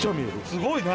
すごいな。